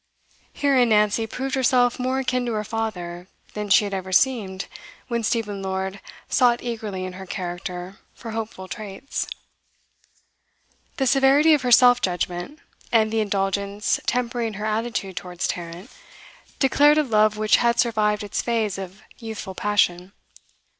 Herein Nancy proved herself more akin to her father than she had ever seemed when Stephen Lord sought eagerly in her character for hopeful traits. The severity of her self judgment, and the indulgence tempering her attitude towards Tarrant, declared a love which had survived its phase of youthful passion.